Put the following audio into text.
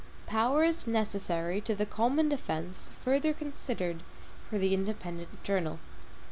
24 The Powers Necessary to the Common Defense Further Considered For the Independent Journal.